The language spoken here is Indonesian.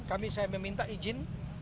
kami saya meminta izin